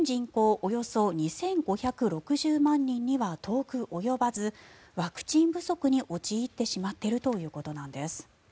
およそ２５６０万人には遠く及ばず、ワクチン不足に陥ってしまっているということなんです。